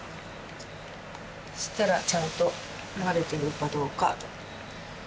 そしたらちゃんと流れているかどうか。